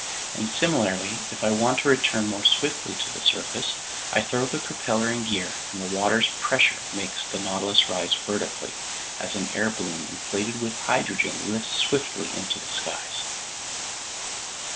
And similarly, if I want to return more swiftly to the surface, I throw the propeller in gear, and the water's pressure makes the Nautilus rise vertically, as an air balloon inflated with hydrogen lifts swiftly into the skies."